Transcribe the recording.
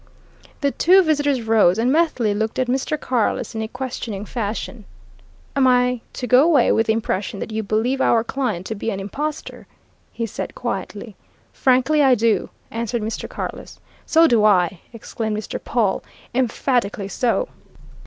The two visitors rose, and Methley looked at Mr. Carless in a questioning fashion. "Am I to go away with the impression that you believe our client to be an impostor?" he said quietly. "Frankly I do!" answered Mr. Carless. "So do I!" exclaimed Mr. Pawle. "Emphatically so!"